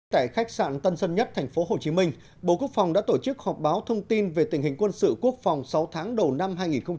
tại khách sạn tân sân nhất tp hcm bộ quốc phòng đã tổ chức họp báo thông tin về tình hình quân sự quốc phòng sáu tháng đầu năm hai nghìn hai mươi